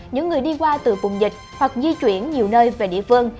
những người đi qua từ vùng dịch hoặc di chuyển nhiều nơi về địa phương